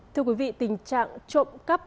thưa quý vị tình trạng trộm cắp